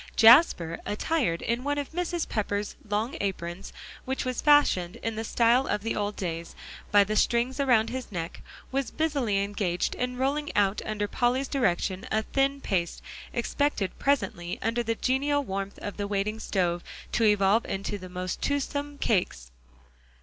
Jasper, attired in one of Mrs. Pepper's long aprons, which was fastened in the style of the old days, by the strings around his neck, was busily engaged in rolling out under Polly's direction, a thin paste, expected presently under the genial warmth of the waiting stove, to evolve into most toothsome cakes.